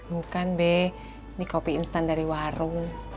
bukan be ini kopi instan dari warung